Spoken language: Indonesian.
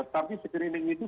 tetapi screening itu